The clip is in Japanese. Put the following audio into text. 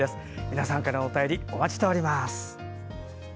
皆さんからのお便りお待ちしております。